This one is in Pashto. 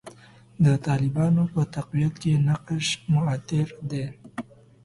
د طالبانو په تقویت کې نقش موثر دی.